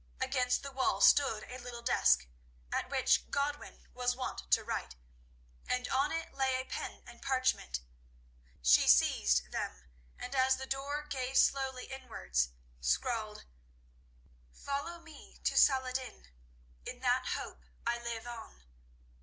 Against the wall stood a little desk, at which Godwin was wont to write, and on it lay pen and parchment. She seized them, and as the door gave slowly inwards, scrawled: "Follow me to Saladin. In that hope I live on.